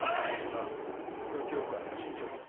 ああ副教官の身長もだ。